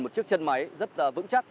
một chiếc chân máy rất vững chắc